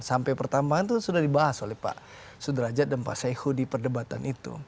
sampai pertambangan itu sudah dibahas oleh pak sudrajat dan pak saiku di perdebatan itu